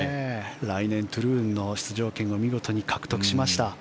来年、トゥルーンの出場権を見事に獲得しました。